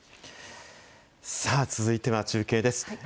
さあ続いては中継です。